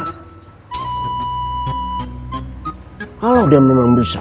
kalau dia memang bisa